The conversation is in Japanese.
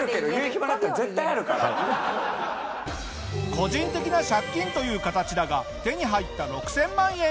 個人的な借金という形だが手に入った６０００万円。